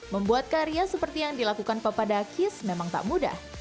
membuat karya seperti yang dilakukan papadakis memang tak mudah